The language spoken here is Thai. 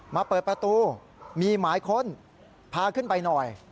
มาเปิดประตูมีหมายค้นพาขึ้นไปหน่อย